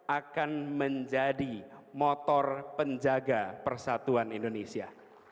akan menjadi motor penjaga persatuan indonesia